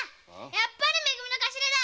やっぱりめ組の頭だ‼